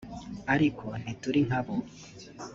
ariko ntituri nka bo